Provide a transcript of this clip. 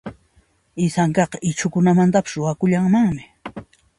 Isankaqa Ichhumantapis ruwakullanmi.